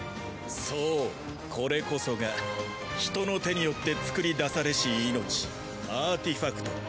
そうこれこそが人の手によって作り出されし命アーティファクトだ。